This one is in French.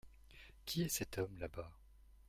Qui est cet homme, là-bas ?